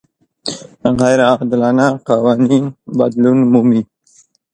غیر عادلانه قوانین بدلون مومي.